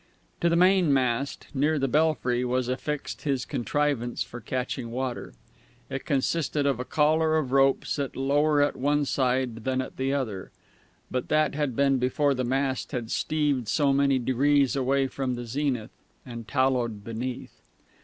To the mainmast, near the belfry, was affixed his contrivance for catching water. It consisted of a collar of rope set lower at one side than at the other (but that had been before the mast had steeved so many degrees away from the zenith), and tallowed beneath.